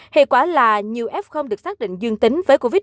hệ quả là nhiều f được xác định dương tính